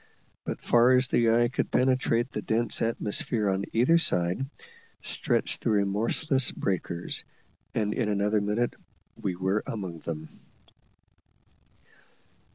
But far as the eye could penetrate the dense atmosphere on either side, stretched the remorseless breakers, and in another minute we were among them.